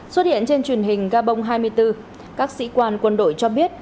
xuất hiện trên truyền hình gabon hai mươi bốn các sĩ quan quân đội cho biết